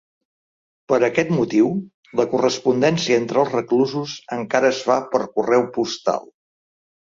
Per aquest motiu, la correspondència entre els reclusos encara es fa per correu postal.